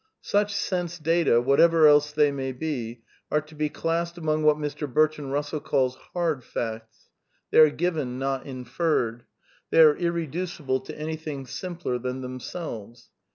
Such sense data, whatever else they may be, are to be classed among what Mr. Bertrand Eussell calls " bard '^ facts. They are given, not inferred; they are irreducible to anything simpler than themselves.